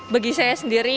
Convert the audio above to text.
bagi saya sendiri